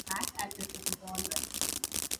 Act as if it was all right!